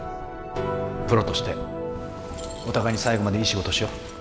プロとしてお互いに最後までいい仕事をしよう。